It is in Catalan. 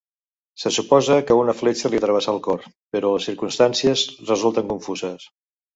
Se suposa que una fletxa li travessà el cor, però les circumstàncies resulten confuses.